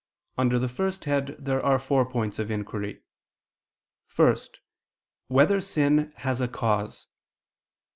Under the first head there are four points of inquiry: (1) Whether sin has a cause?